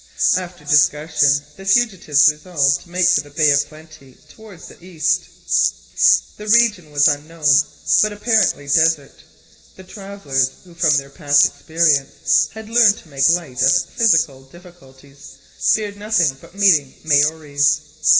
After discussion, the fugitives resolved to make for the Bay of Plenty, towards the east. The region was unknown, but apparently desert. The travelers, who from their past experience, had learned to make light of physical difficulties, feared nothing but meeting Maories.